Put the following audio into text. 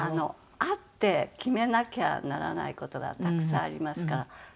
会って決めなきゃならない事がたくさんありますから。